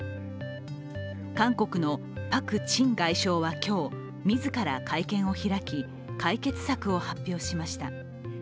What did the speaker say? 韓国のパク・チン外相は今日自ら会見を開き、解決策を発表しました。